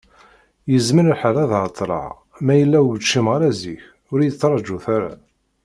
Yezmer lḥal ad ɛeṭṭleɣ, ma yella ur d-kcimeɣ ara zik, ur iyi-ttraǧut ara.